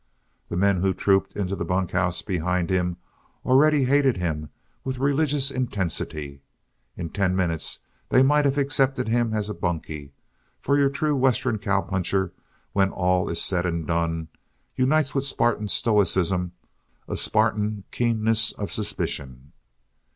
The men who trooped into the bunkhouse behind him already hated him with a religious intensity; in ten minutes, they might have accepted him as a bunkie! For your true Western cowpuncher, when all is said and done, unites with Spartan stoicism a Spartan keenness of suspicion.